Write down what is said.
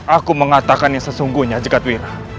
aku mengatakannya sesungguhnya jekat wira